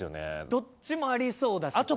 どっちもありそうだし。